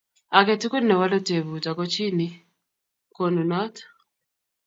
Ake tukul ne wolu tebut akochini konunot